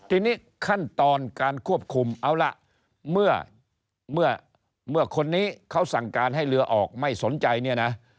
ทีนี้ขั้นตอนการควบคุมเอาล่ะเมื่อคนนี้เขาสั่งการให้เรือออกไม่สนใจเนี่ยนะ